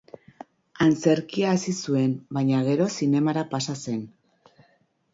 Antzerkia hasi zuen baina gero zinemara pasa zen.